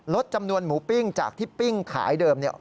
ลดจำนวนหมูปิ้งจากที่ปิ้งขายเดิมเนี่ย